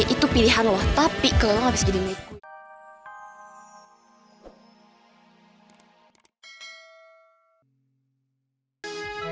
itu pilihan lo tapi kalau lo gak bisa jadi milik gue